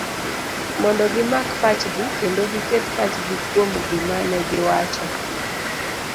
mondo gimak pachji, kendo giket pachgi kuom gima negiwacho